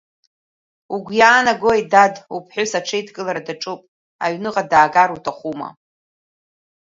Угәы иаанагои, дад, уԥҳәыс аҽеидкылара даҿуп, аҩныҟа даагар уҭахума?